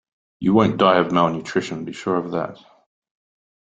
You won't die of malnutrition, be sure of that.